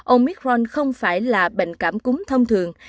omicron không phải là bệnh cảm cúng thông thường